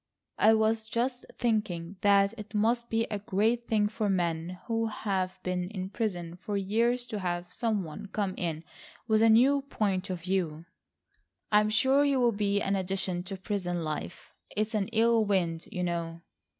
I was just thinking that it must be a great thing for men who have been in prison for years to have some one come in with a new point of view." "I'm sure you will be an addition to prison life. It's an ill wind, you know."